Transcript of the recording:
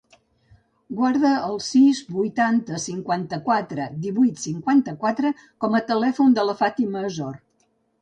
Guarda el sis, vuitanta, cinquanta-quatre, divuit, cinquanta-quatre com a telèfon de la Fàtima Azor.